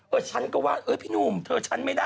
ฉันก็ว่าเออพี่หนุ่มเธอฉันไม่ได้